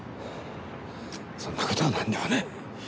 そんな事はなんでもない。